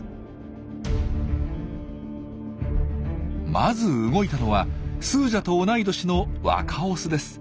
まず動いたのはスージャと同い年の若オスです。